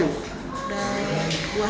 sudah dua hari